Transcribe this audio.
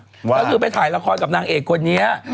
ก็คือไปถ่ายละครกับนางเอกคนนี้